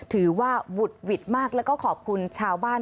ถือว่าบุดหวิดมากแล้วก็ขอบคุณชาวบ้าน